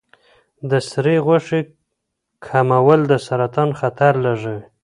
د سرې غوښې کمول د سرطان خطر لږوي.